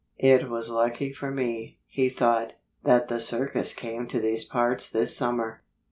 "It was lucky for me," he thought, "that the circus came to these parts this summer."